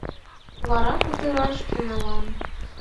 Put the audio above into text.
Вара кутыраш тӱҥалам.